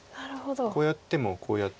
こうやってもこうやって。